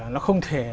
nó không thể